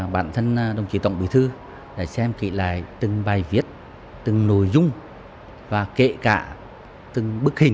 bản thân đồng chí tổng bí thư đã xem kỹ lại từng bài viết từng nội dung và kể cả từng bức hình